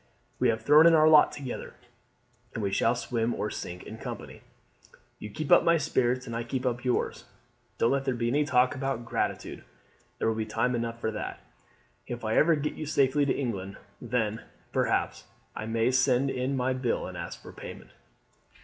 We have thrown in our lot together, and we shall swim or sink in company. "You keep up my spirits and I keep up yours. Don't let there be any talk about gratitude. There will be time enough for that if I ever get you safely to England. Then, perhaps, I may send in my bill and ask for payment."